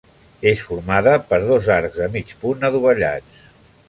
És formada per dos arcs de mig punt, adovellats.